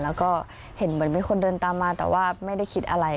แล้วก็เห็นเหมือนมีคนเดินตามมาแต่ว่าไม่ได้คิดอะไร